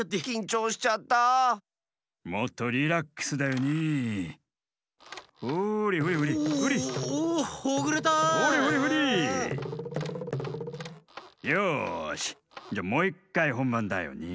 よしじゃもういっかいほんばんだよね。